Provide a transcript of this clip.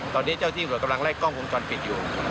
ตอนนี้เจ้าที่หัวกำลังไล่กล้องวงจรปิดอยู่